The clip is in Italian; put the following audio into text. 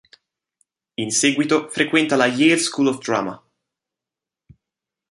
In seguito frequenta la Yale School of Drama.